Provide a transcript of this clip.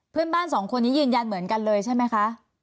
เพื่อนบ้านสองคนนี้ยืนยันเหมือนกันเลยใช่ไหมคะ